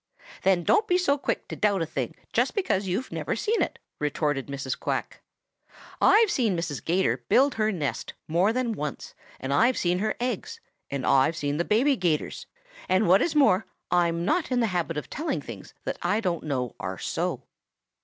"Then don't be so quick to doubt a thing just because you've never seen it," retorted Mrs. Quack. "I've seen Mrs. 'Gator build her nest more than once, and I've seen her eggs, and I've seen the baby 'Gators; and what is more, I'm not in the habit of telling things that I don't know are so."